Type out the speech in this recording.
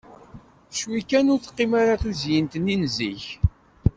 Ccwi kan ur teqqim ara d tuzyint-nni n zik.